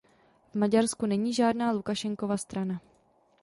V Maďarsku není žádná Lukašenkova strana.